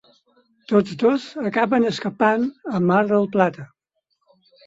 Tots dos acaben escapant a Mar del Plata.